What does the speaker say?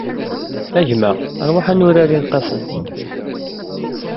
A gma, ṛwaḥ ad nurar ileqqafen!